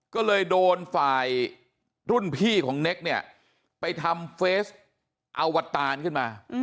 ก็เลยโดนฝ่ายรุ่นพี่ของเน็กเนี่ยไปทำเฟซอวตารขึ้นมา